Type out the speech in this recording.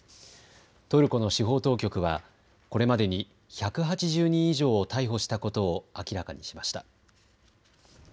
トルコの司法当局はこれまでに１８０人以上を逮捕したことを明らかにしました。